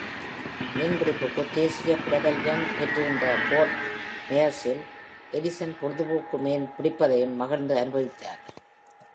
மீன் பிடிப்புக்கு தேசியப் பிரபல்யம் பெற்றிருந்த ஃபோர்ட் மெய்யர்ஸில் எடிசன் பொழுதுப்போக்கு மீன் பிடிப்பதையும் மகிழ்ந்து அனுபவித்தார்.